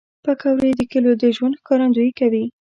پکورې د کلیو د ژوند ښکارندویي کوي